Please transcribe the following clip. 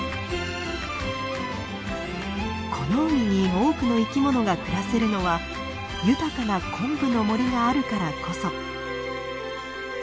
この海に多くの生きものが暮らせるのは豊かなコンブの森があるからこそ。